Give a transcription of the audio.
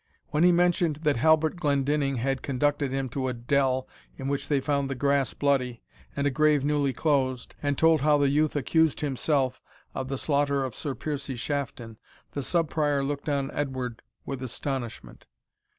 When he mentioned that Halbert Glendinning had conducted him to a dell in which they found the grass bloody, and a grave newly closed, and told how the youth accused himself of the slaughter of Sir Piercie Shafton, the Sub Prior looked on Edward with astonishment.